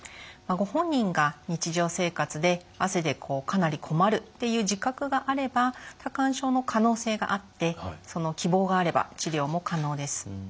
ご本人が日常生活で汗でかなり困るという自覚があれば多汗症の可能性があって希望があれば治療も可能です。